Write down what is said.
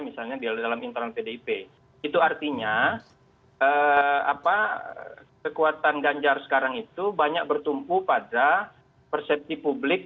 misalnya di dalam internal pdip itu artinya kekuatan ganjar sekarang itu banyak bertumpu pada persepsi publik